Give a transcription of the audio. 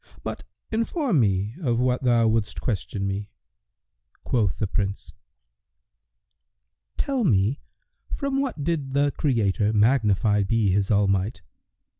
But inform me of what thou wouldst question me." Quoth the Prince, "Tell me from what did the Creator (magnified be His all might!)